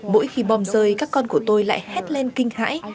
mỗi khi bom rơi các con của tôi lại hét lên kinh hãi